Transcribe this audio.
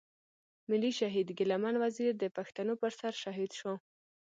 ملي شهيد ګيله من وزير د پښتنو پر سر شهيد شو.